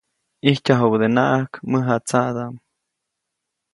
ʼIjtyajubädenaʼajk mäjatsaʼdaʼm.